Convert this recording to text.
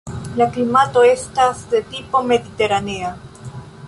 La klimato estas de tipo mediteranea.